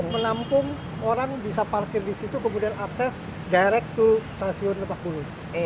mereka bisa parkir di situ kemudian akses direct to station lebak bulus